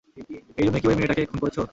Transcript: এজন্যই কি ঐ মেয়েটাকে খুন করেছ?